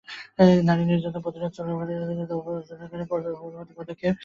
নারী নির্যাতন প্রতিরোধে চলমান মামলাগুলোর অবস্থা পর্যালোচনা করে পরবর্তী পদক্ষেপ নিতে হবে।